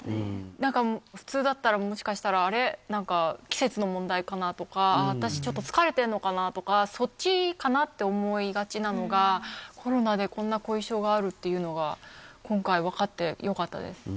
なんか普通だったら、もしかしたら、あれっ、季節の問題かなとか、私、ちょっと疲れてるのかなとか、そっちかなって思いがちなのが、コロナでこんな後遺症があるっていうのが、今回分かってよかったです。